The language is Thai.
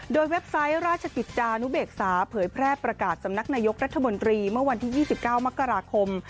โดยเว็บไซต์ราชกิจจานุเบกษาเผยแพร่ประกาศสำนักนายกรัฐมนตรีเมื่อวันที่๒๙มกราคม